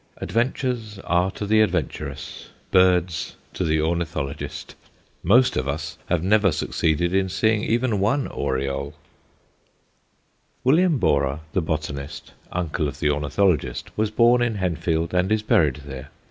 Adventures are to the adventurous, birds to the ornithologist; most of us have never succeeded in seeing even one Oriole. [Sidenote: STAPLETON'S MERITS] William Borrer, the botanist, uncle of the ornithologist, was born in Henfield and is buried there.